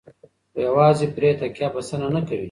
خو یوازې پرې تکیه بسنه نه کوي.